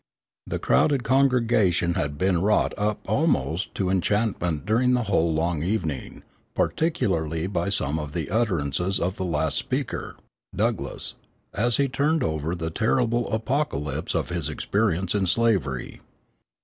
The crowded congregation had been wrought up almost to enchantment during the whole long evening, particularly by some of the utterances of the last speaker [Douglass], as he turned over the terrible apocalypse of his experience in slavery."